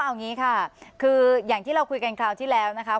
อเรนนี่ค่ะคืออย่างที่เราคุยกันคราวที่แล้วนะครับ